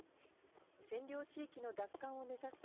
占領地域の奪還を目指す